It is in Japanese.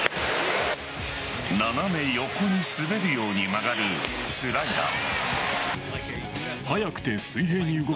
斜め横に滑るように曲がるスライダー。